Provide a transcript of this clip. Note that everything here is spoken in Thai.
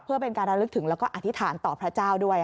เพื่อเป็นการระลึกถึงแล้วก็อธิษฐานต่อพระเจ้าด้วย